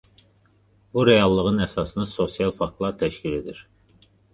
Bu reallığın əsasını sosial faktlar təşkil edir.